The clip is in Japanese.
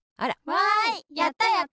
わいやったやった！